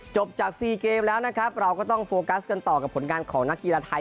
จบจาก๔เกมแล้วนะครับเราก็ต้องโฟกัสกันต่อกับผลงานของนักกีฬาไทย